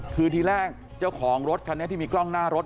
คือทีแรกเจ้าของรถคันนี้ที่มีกล้องหน้ารถ